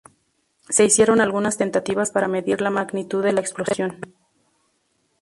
Se hicieron algunas tentativas para medir la magnitud de la explosión.